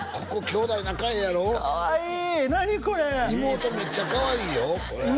これ妹めっちゃかわいいよこれ妹